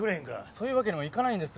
そういうわけにもいかないんです。